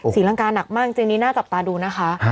ศรีลังกาหนักมากจริงนี้น่าจับตาดูนะคะ